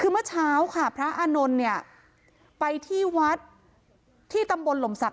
คือเมื่อเช้าค่ะพระอานนท์เนี่ยไปที่วัดที่ตำบลหล่มศักด